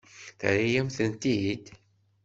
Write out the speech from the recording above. Terra-yam-tent-id?